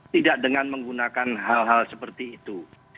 tidak dengan menggunakan hal hal seperti itu